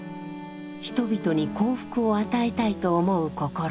人々に幸福を与えたいと思う心。